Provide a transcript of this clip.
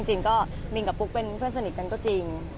จริงก็มินกับปุ๊กเป็นเพื่อนสนิทกันก็จริง